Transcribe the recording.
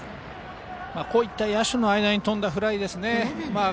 こういった野手の間に飛んだフライですね。